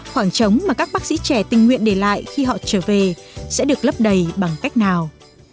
khoảng trống mà các bác sĩ trẻ tình nguyện để lại khi họ trở về sẽ được lấp đầy bằng cách nào